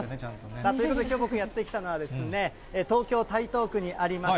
さあ、ということで、きょう僕がやって来たのは、東京・台東区にあります